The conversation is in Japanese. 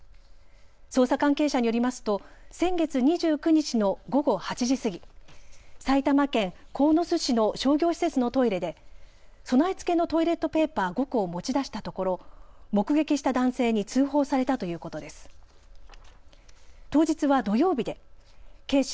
捜査関係者によりますと先月２９日の午後８時過ぎ、埼玉県鴻巣市の商業施設のトイレで備え付けのトイレットペーパー５個を持ち出したところ目撃した男性に通報されたということです。